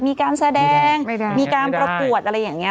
มีการแสดงมีการประกวดอะไรอย่างนี้